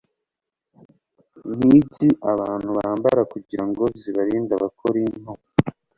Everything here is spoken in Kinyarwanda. impigi abantu bambara kugira ngo zibarinde abakorinto